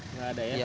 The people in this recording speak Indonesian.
enggak ada ya